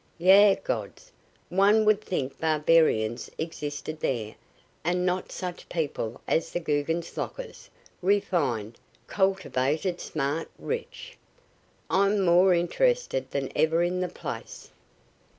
Ye gods! one would think barbarians existed there and not such people as the Guggenslockers, refined, cultivated smart, rich. I'm more interested than ever in the place."